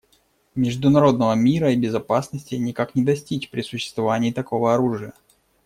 Международного мира и безопасности никак не достичь при существовании такого оружия.